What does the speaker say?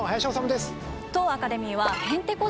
当アカデミーはへんてこ